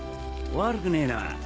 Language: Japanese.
悪くねえな。